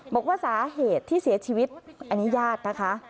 บอกว่าสาเหตุที่เสียชีวิตอันนี้ญาตินะคะ